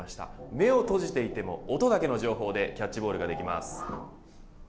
目を閉じていても音だけの情報でキャッチボールができます。